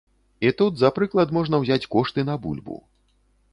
І тут за прыклад можна ўзяць кошты на бульбу.